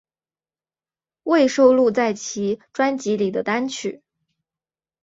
未收录在其专辑里的单曲